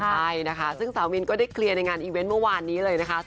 ใช่นะคะซึ่งสาวมินก็ได้เคลียร์ในงานอีเวนต์เมื่อวานนี้เลยนะคะ